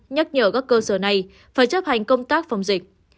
nhắc nhở các cơ sở này phải chấp hành công tác phòng dịch